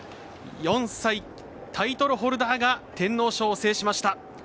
４歳、タイトルホルダーが天皇賞を制しました。